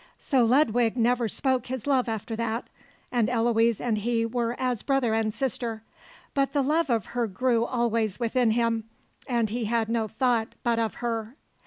So Ludwig never spoke his love after that, and Eloise and he were as brother and sister; but the love of her grew always within him, and he had no thought but of her.